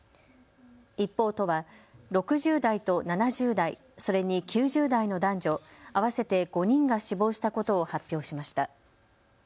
一方、都は６０代と７０代、それに９０代の男女合わせて５人が死亡したことを発表しました。